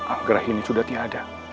anggrahi ini sudah tidak ada